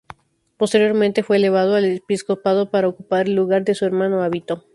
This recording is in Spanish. Posteriormente fue elevado al episcopado para ocupar el lugar de su hermano Avito.